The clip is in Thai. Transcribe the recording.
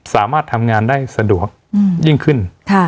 สามารถทำงานได้สะดวกยิ่งขึ้น